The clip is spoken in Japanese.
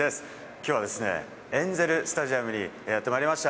きょうはですね、エンゼルスタジアムにやってまいりました。